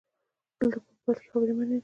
📵 دلته په مبایل کې خبري منع دي